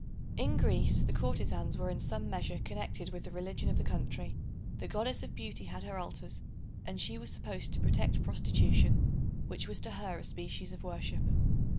In Greece, the courtezans were in some measure connected with the religion of the country. The Goddess of Beauty had her altars; and she was supposed to protect prostitution, which was to her a species of worship.